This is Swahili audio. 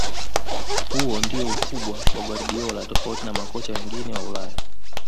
Huo ndio ukubwa wa guardiola tofauti na makocha wengine wa ulaya